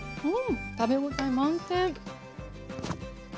食べ応え満点！